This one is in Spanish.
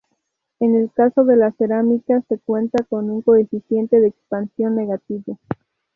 En el caso de la cerámica, se cuenta con un coeficiente de expansión negativo.